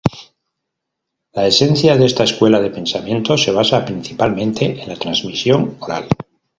La esencia de esta escuela de pensamiento se basa principalmente en la trasmisión oral.